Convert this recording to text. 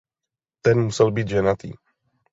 Ten musel být ženatý.